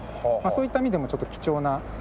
そういった意味でもちょっと貴重な。